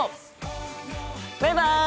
バイバイ！